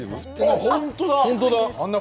本当だ。